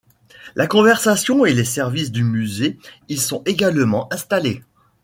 La conservation et les services du Musée y sont également installés.